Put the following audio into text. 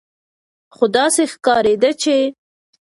خو داسې ښکارېده چې